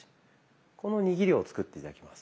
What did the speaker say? この握りを作って頂きます。